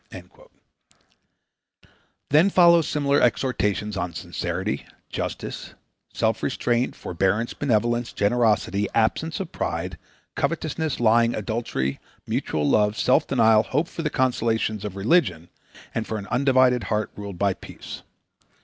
Then follow similar exhortations on sincerity, justice, self restraint, forbearance, benevolence, generosity, absence of pride, covetousness, lying, adultery, mutual love, self denial, hope for the consolations of religion and for an undivided heart ruled by peace.